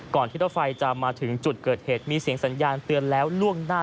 ที่รถไฟจะมาถึงจุดเกิดเหตุมีเสียงสัญญาณเตือนแล้วล่วงหน้า